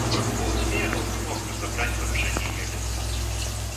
В полутьме он не мог разобрать выражение ее лица.